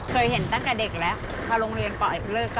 เคยเห็นตั้งแต่เด็กแล้วมาโรงเรียนปล่อยเลิกค่ะ